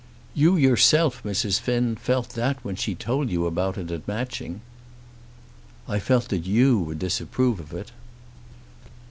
"You yourself, Mrs. Finn, felt that when she told you about it at Matching." "I felt that you would disapprove of it."